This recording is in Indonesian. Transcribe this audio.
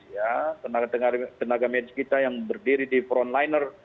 ya tenaga medis kita yang berdiri di frontliner